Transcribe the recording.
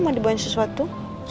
mau dibuangin sesuatu